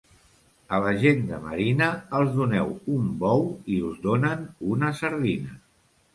A la gent de Marina els doneu un bou i us donen una sardina.